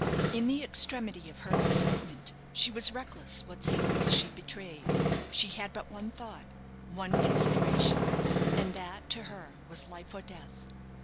In the extremity of her excitement she was reckless what secrets she betrayed. She had but one thought, one consideration, and that to her was life or death.